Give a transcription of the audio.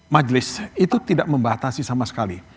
majelis itu tidak membatasi sama sekali